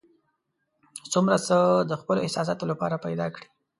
څومره څه د خپلو احساساتو لپاره پیدا کړي.